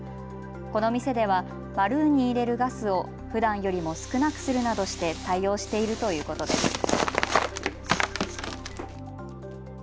この店ではバルーンに入れるガスをふだんよりも少なくするなどして対応しているということです。